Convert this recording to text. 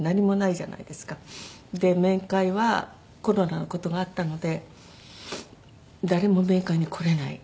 面会はコロナの事があったので誰も面会に来れない。